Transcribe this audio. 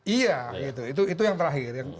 iya itu yang terakhir